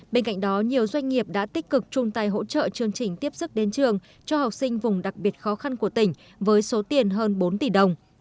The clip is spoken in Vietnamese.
bên cạnh đó nhiều doanh nghiệp đã tích cực chung tay hỗ trợ chương trình tiếp sức đến trường cho học sinh vùng đặc biệt khó khăn của tỉnh với số tiền hơn bốn tỷ đồng